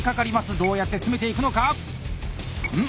どうやって詰めていくのか⁉ん？